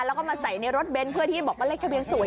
แล้วก็มาใส่ในรถเบนท์เพื่อที่บอกว่าเลขทะเบียนสวย